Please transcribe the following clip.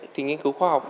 thì nghiên cứu khoa học